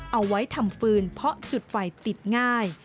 เอาไว้ทำฟืนเพราะจุดไฟติดง่าย